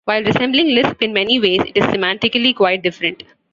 While resembling Lisp in many ways, it is semantically quite different.